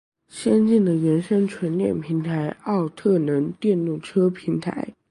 先进的原生纯电平台奥特能电动车平台